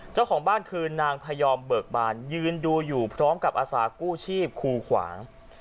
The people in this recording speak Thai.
เจ้าของบ้านคือนางพยอมเบิกบานยืนดูอยู่พร้อมกับอาสากู้ชีพครูขวาง